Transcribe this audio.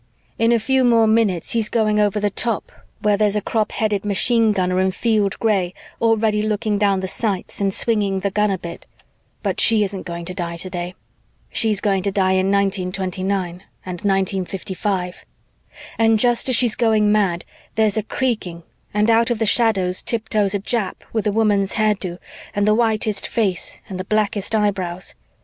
"In a few more minutes, he's going over the top where there's a crop headed machine gunner in field gray already looking down the sights and swinging the gun a bit. But she isn't going to die today. She's going to die in 1929 and 1955. "And just as she's going mad, there's a creaking and out of the shadows tiptoes a Jap with a woman's hairdo and the whitest face and the blackest eyebrows.